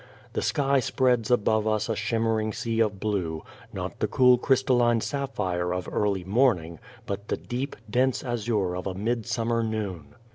The sky spreads above us a shimmering sea of blue not the cool crystalline sapphire of early morning, but the deep, dense azure of a midsummer noon.